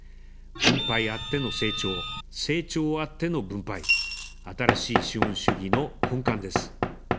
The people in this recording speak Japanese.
分配あっての成長、成長あっての分配、「新しい資本主義」の根幹です。